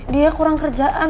dia kurang kerjaan